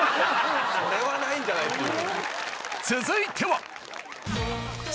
「それはないんじゃない？」っていう。